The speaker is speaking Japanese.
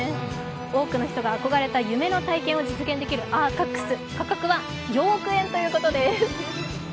多くの人が憧れた夢の体験を実現できるアーカックス、価格は４億円ということです。